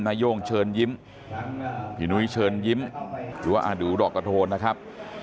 นาย่งเชิญยิ้มพี่นุ้ยเชิญยิ้มหรือว่าอาดูดอกกระโทนนะครับ